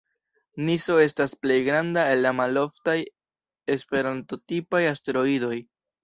Niso estas plej granda el la maloftaj E-tipaj asteroidoj.